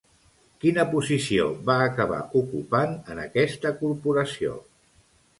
Quina posició va acabar ocupant en aquesta corporació?